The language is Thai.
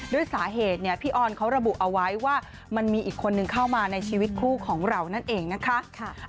ด้วยสาเหตุเนี่ยพี่ออนเขาระบุเอาไว้ว่ามันมีอีกคนนึงเข้ามาในชีวิตคู่ของเรานั่นเองนะคะ